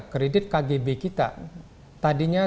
kredit kgb kita tadinya